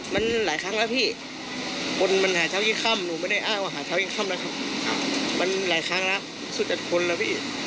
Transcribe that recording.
มันหลายครั้งแล้วพี่คนมันหาเช้ายิ่งค่ำหนูไม่ได้อ้าวว่าหาเช้ายิ่งค่ำนะครับ